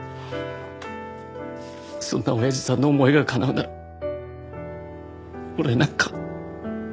そんなおやじさんの思いがかなうなら俺なんか。